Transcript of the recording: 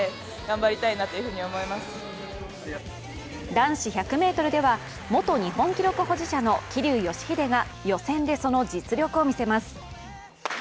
男子１００ｍでは、元日本記録保持者の桐生祥秀が予選でその実力を見せます。